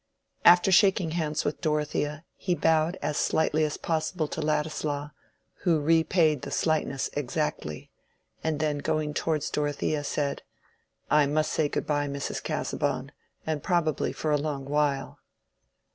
After shaking hands with Dorothea, he bowed as slightly as possible to Ladislaw, who repaid the slightness exactly, and then going towards Dorothea, said— "I must say good by, Mrs. Casaubon; and probably for a long while."